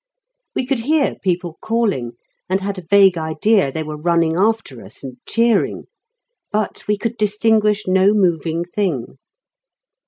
We could hear people calling, and had a vague idea they were running after us and cheering; but we could distinguish no moving thing.